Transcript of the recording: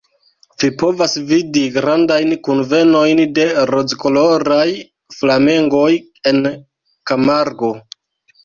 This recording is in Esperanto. Vi povas vidi grandajn kunvenojn de rozkoloraj flamengoj en Kamargo.